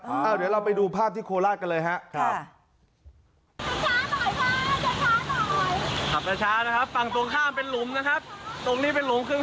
เดี๋ยวเราไปดูภาพที่โคราชกันเลยครับ